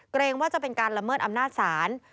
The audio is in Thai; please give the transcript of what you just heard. ก็เป็นการละเมิดอำนาจศาล